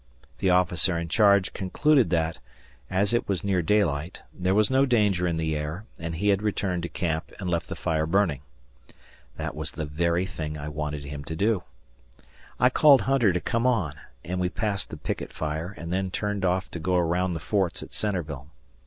The officer in charge concluded that, as it was near daylight, there was no danger in the air, and he had returned to camp and left the fire burning. That was the very thing I wanted him to do. I called Hunter to come on, and we passed the picket fire and then turned off to go around the forts at Centreville.